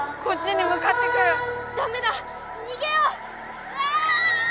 こっちにむかってくる。